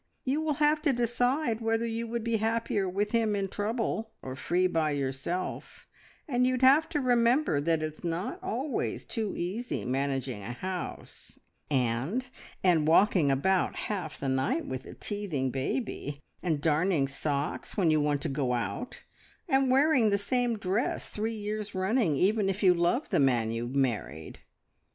You will have to decide whether you would be happier with him in trouble or free by yourself, and you'd have to remember that it's not always too easy managing a house, and and walking about half the night with a teething baby, and darning socks, when you want to go out, and wearing the same dress three years running, even if you love the man you've married.